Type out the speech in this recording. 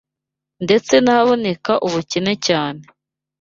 ndetse n’ahaboneka ubukene cyane